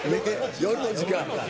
夜の時間？